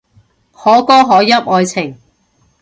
可歌可泣愛情